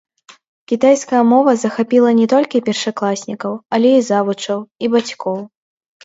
Кітайская мова захапіла не толькі першакласнікаў, але і завучаў, і бацькоў.